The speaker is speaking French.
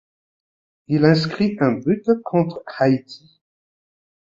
Il inscrit un but contre Haïti.